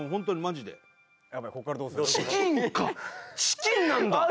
チキンなんだ！」